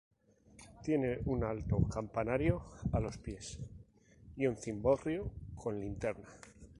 Tiene un alto campanario a los pies y un cimborrio con linterna.